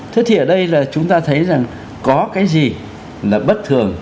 thế thì ở đây là chúng ta thấy rằng có cái gì là bất thường